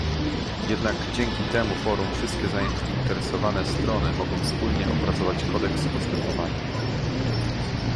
Jednak dzięki temu forum wszystkie zainteresowane strony mogą wspólnie opracować kodeks postępowania